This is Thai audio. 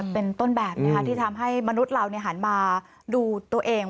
เป็นต้นแบบที่ทำให้มนุษย์เราหันมาดูตัวเอง